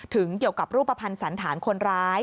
เกี่ยวกับรูปภัณฑ์สันฐานคนร้าย